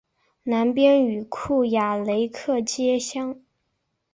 南边与库雅雷克接壤。